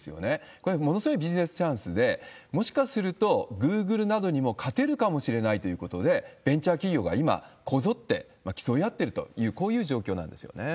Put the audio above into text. これ、ものすごいビジネスチャンスで、もしかするとグーグルなどにも勝てるかもしれないということで、ベンチャー企業が今、こぞって競い合ってるという、こういう状況なんですよね。